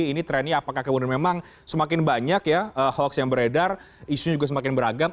ini trennya apakah kemudian memang semakin banyak ya hoax yang beredar isunya juga semakin beragam